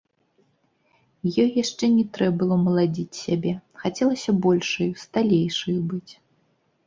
Ёй яшчэ не трэ было маладзіць сябе, хацелася большаю, сталейшаю быць.